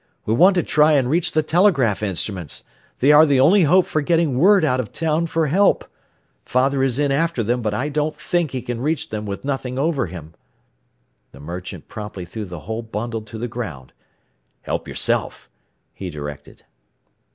"We want to try and reach the telegraph instruments. They are the only hope for getting word out of town for help. Father is in after them, but I don't think he can reach them with nothing over him." The merchant promptly threw the whole bundle to the ground. "Help yourself," he directed.